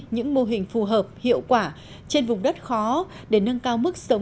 những mô hình phù hợp hiệu quả trên vùng đất khó để nâng cao mức sống